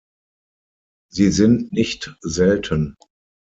Sie sind nicht selten.